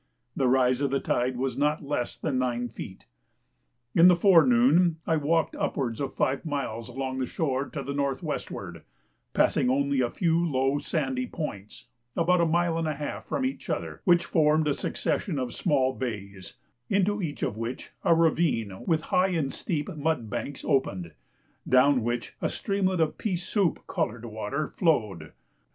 The rise of the tide was not less than nine feet. In the forenoon I walked upwards of five miles along the shore to the north westward, passing a few low sandy points about a mile and a half from each other, which formed a succession of small bays, into each of which a ravine with high and steep mud banks opened, down which a streamlet of pea soup coloured water flowed.